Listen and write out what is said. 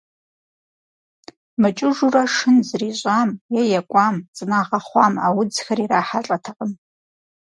Мыкӏыжурэ шын зрищӏам, е екӏуам, цӏынагъэ хъуам а удзхэр ирахьэлӏэтэкъым.